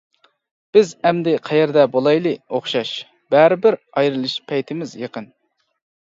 بىز ئەمدى قەيەردە بولايلى ئوخشاش، بەرىبىر ئايرىلىش پەيتىمىز يېقىن.